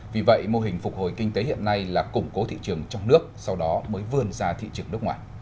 vì vậy mô hình phục hồi kinh tế hiện nay là củng cố thị trường trong nước sau đó mới vươn ra thị trường nước ngoài